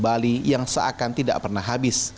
bali yang seakan tidak pernah habis